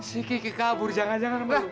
si kiki kabur jangan jangan mbak